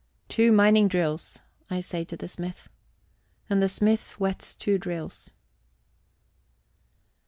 "Two mining drills," I say to the smith. And the smith whets two drills...